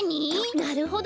なるほど。